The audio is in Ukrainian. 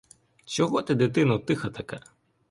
Чого ти, дитино, тиха така?!